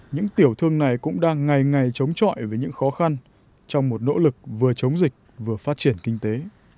những tiểu thương này cũng đang ngày ngày chống chọi với những khó khăn trong một nỗ lực vừa chống dịch vừa phát triển kinh tế